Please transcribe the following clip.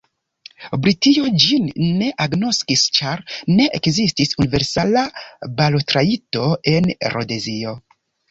Britio ĝin ne agnoskis, ĉar ne ekzistis universala balotrajto en Rodezio.